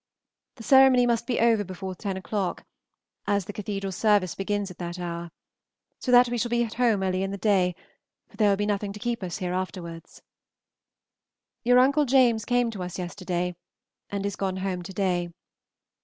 The ceremony must be over before ten o'clock, as the cathedral service begins at that hour, so that we shall be at home early in the day, for there will be nothing to keep us here afterwards. Your Uncle James came to us yesterday, and is gone home to day.